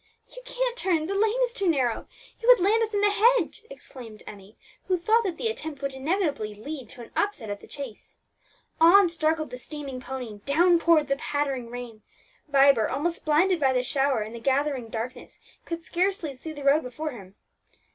"You can't turn, the lane is too narrow; you would land us in the hedge!" exclaimed Emmie, who thought that the attempt would inevitably lead to an upset of the chaise. On struggled the steaming pony, down poured the pattering rain; Vibert, almost blinded by the shower and the gathering darkness, could scarcely see the road before him.